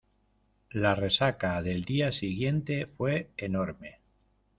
La resaca del día siguiente fue enorme.